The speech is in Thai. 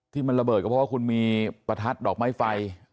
ที่มันระเบิดก็เพราะว่าคุณมีประทัดดอกไม้ไฟ